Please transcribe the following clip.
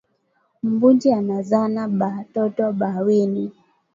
Mbuji anazala ba toto ba wili